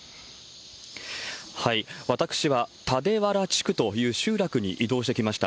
私は、たでわら地区という集落に移動してきました。